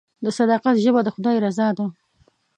د صداقت ژبه د خدای رضا ده.